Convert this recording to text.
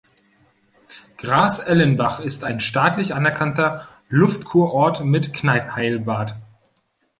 Gras-Ellenbach ist ein staatlich anerkannter Luftkurort mit Kneipp-Heilbad.